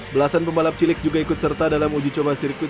belasan pembalap cilik juga ikut serta dalam uji coba sirkuit